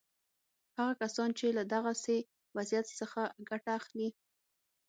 هغه کسان چې له دغسې وضعیت څخه ګټه اخلي.